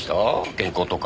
原稿とか。